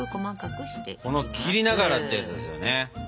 この切りながらってやつですよね。